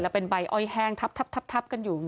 เป็นใบอ้อยแห้งทับกันอยู่